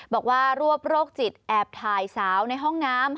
บอกว่ารวบโรคจิตแอบถ่ายสาวในห้องน้ำ